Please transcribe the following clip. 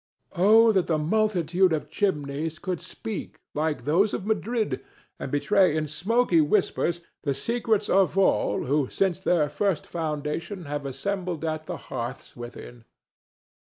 Oh that the multitude of chimneys could speak, like those of Madrid, and betray in smoky whispers the secrets of all who since their first foundation have assembled at the hearths within!